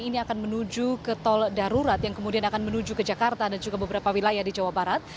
ini akan menuju ke tol darurat yang kemudian akan menuju ke jakarta dan juga beberapa wilayah di jawa barat